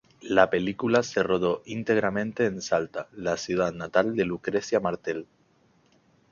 La película se rodó íntegramente en Salta, la ciudad natal de Lucrecia Martel.